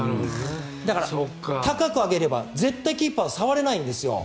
だから、高く上げれば絶対にキーパーは触れないんですよ。